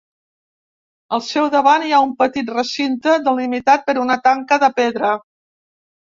Al seu davant hi ha un petit recinte delimitat per una tanca de pedra.